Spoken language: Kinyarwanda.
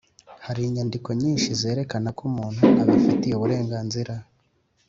Hari inyandiko nyinshi zerekana ko umuntu abifitiye uburenganzira